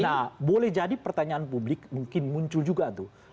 nah boleh jadi pertanyaan publik mungkin muncul juga tuh